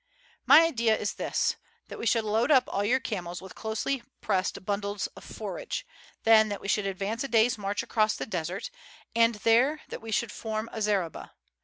"My idea is this: that we should load up all your camels with closely pressed bundles of forage; then that we should advance a day's march across the desert; and there that we should form a zareba.